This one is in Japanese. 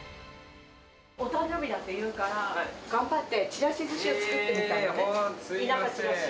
お誕生日だっていうから、頑張ってちらしずしを作ってみたのね。